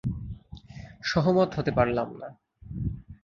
সহমত হতে পারলাম না।